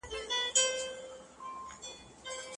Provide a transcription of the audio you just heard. پخوا ټولنپوهنه جلا علم نه و.